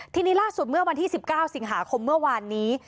ทีนี้ล่าสุดเมื่อวันที่๑๙สิงหาคมเมื่อวานนี้